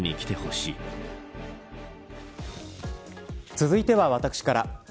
続いては私から。